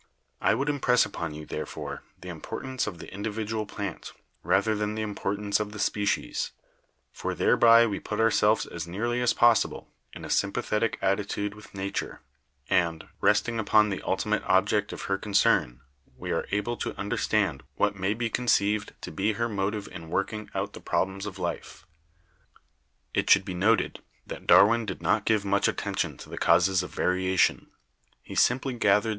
I would impress upon you, therefore, the importance of the individual plant, rather than the importance of the species; for thereby we put ourselves as nearly as possible in a sympathetic attitude with Na ture, and, resting upon the ultimate object of her con cern, we are able to understand what may be conceived to be her motive in working out the problems of life." It should be noted that Darwin did not give much at tention to the causes of variation. He simply gathered!